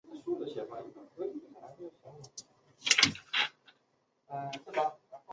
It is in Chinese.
武川众是甲斐国边境的武士团。